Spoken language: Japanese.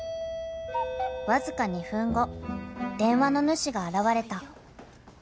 ・［わずか２分後電話の主が現れた］